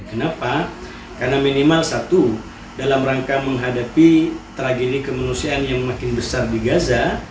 kenapa karena minimal satu dalam rangka menghadapi tragedi kemanusiaan yang makin besar di gaza